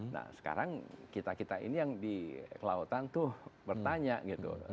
nah sekarang kita kita ini yang di kelautan tuh bertanya gitu